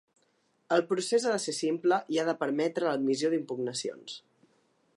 El procés ha de ser simple i ha de permetre l’admissió d’impugnacions.